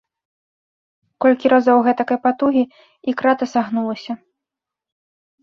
Колькі разоў гэтакай патугі, і крата сагнулася.